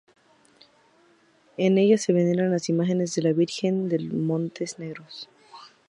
En ella se venera la imagen de la Virgen de los Montes Negros.